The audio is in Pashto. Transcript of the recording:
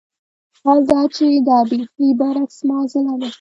حال دا چې دا بېخي برعکس معاضله ده.